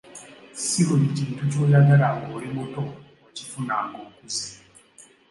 Ssi buli kintu ky'oyagala ng'oli muto okifuna ng'okuze.